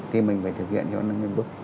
thì mình phải thực hiện cho nó nguy cơ